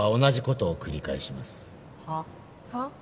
はっ？はっ？